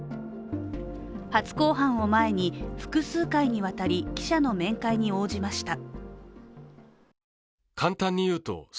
初公判を前に、複数回にわたり記者の面会に応じました。